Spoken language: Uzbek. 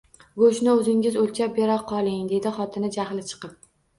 Go`shtni o`zingiz o`lchab bera qoling, dedi xotini jahli chiqib